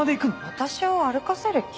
私を歩かせる気？